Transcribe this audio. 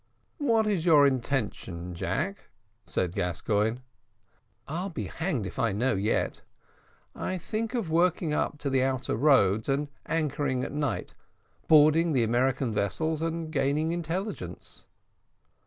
"What is your intention, Jack?" said Gascoigne. "I'll be hanged if I know yet. I think of working up to the outer roads, and anchoring at night boarding the American vessels, and gaining intelligence."